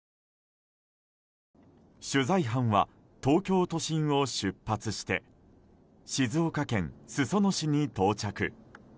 取材班は、東京都心を出発して静岡県裾野市に到着。